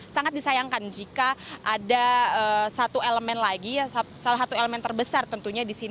sangat disayangkan jika ada satu elemen lagi salah satu elemen terbesar tentunya di sini